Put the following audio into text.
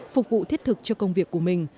phục vụ thiết thực cho công việc của mình